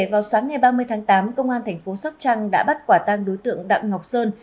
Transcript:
vào sáng ngày ba mươi tháng tám công an thành phố sóc trăng đã bắt quả tang đối tượng đặng ngọc sơn